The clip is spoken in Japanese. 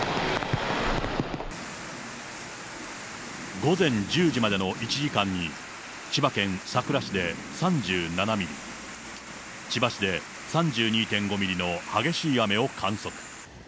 午前１０時までの１時間に、千葉県佐倉市で３７ミリ、千葉市で３２．５ミリの激しい雨を観測。